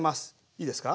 いいですか？